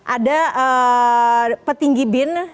ada petinggi bin